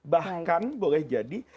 bahkan boleh jadi